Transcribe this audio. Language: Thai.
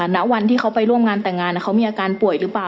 ณวันที่เขาไปร่วมงานแต่งงานเขามีอาการป่วยหรือเปล่า